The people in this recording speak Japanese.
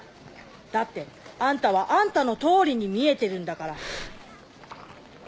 だってあんたはあんたの通りに見えてるんだから。